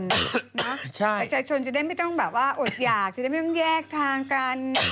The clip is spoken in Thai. ประชาชนจะได้ไม่ต้องแบบว่าอดอยากจะได้ไม่ต้องแยกทางกัน